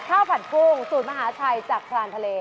ข้าวต้มปลาซาบอน